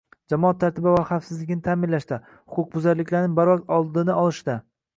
jamoat tartibi va xavfsizligini ta’minlashda, huquqbuzarliklarning barvaqt oldini olishda